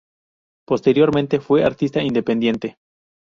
Posteriormente fue artista independiente.